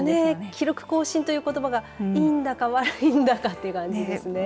記録更新ということばがいいんだか悪いんだかという感じですね。